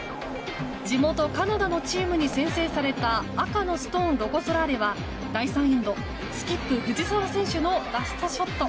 地元カナダのチームに先制された赤のストーン、ロコ・ソラーレは第３エンドスキップ、藤澤選手のラストショット。